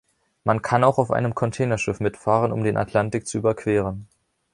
Man kann auch auf einem Containerschiff mitfahren, um den Atlantik zu überqueren.